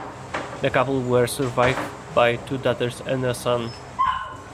The couple were survived by two daughters and a son.